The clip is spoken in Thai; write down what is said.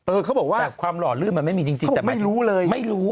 เขาบอกว่าแต่ความหล่อลื่นมันไม่มีจริงแต่ไม่รู้เลยไม่รู้